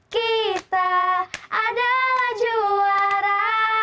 kita adalah juara